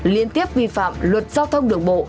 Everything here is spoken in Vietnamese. liên tiếp vi phạm luật giao thông đường bộ